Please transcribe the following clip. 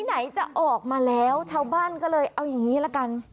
ไหนจะออกมาแล้วชาวบ้านก็เลยเอาอย่างนี้ละกัน